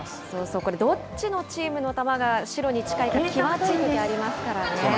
これどっちのチームの球が白に近いか際どいときありますからね。